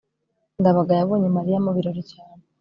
ndabaga yabonye mariya mu birori cyane